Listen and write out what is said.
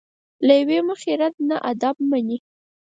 له یوې مخې رد نه ادب مني.